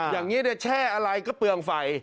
อย่างนี้แช่อะไรก็เปลืองไฟ